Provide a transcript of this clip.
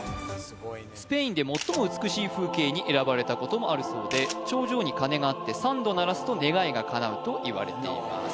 スペインで最も美しい風景に選ばれたこともあるそうで頂上に鐘があって３度鳴らすと願いが叶うと言われています